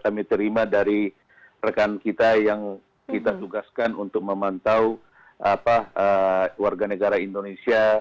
kami terima dari rekan kita yang kita tugaskan untuk memantau warga negara indonesia